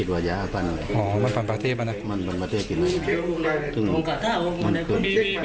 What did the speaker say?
ส่วนในบ้านเนี่ยพบของกลางเป็นยาบาจำนวนหนึ่งครับ